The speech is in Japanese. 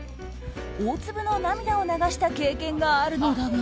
大粒の涙を流した経験があるのだが。